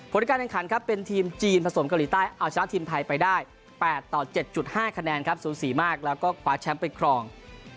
ผลการแข่งขันครับเป็นทีมจีนผสมเกาหลีใต้เอาชนะทีมไทยไปได้๘ต่อ๗๕คะแนนครับสูสีมากแล้วก็คว้าแชมป์ไปครอง